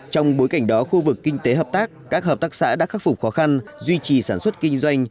trong bối cảnh đó khu vực kinh tế hợp tác các hợp tác xã đã khắc phục khó khăn duy trì sản xuất kinh doanh